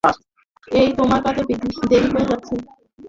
এই, তোমার কাজে দেরি হয়ে যাচ্ছে।